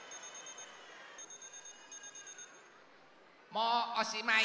もうおしまい。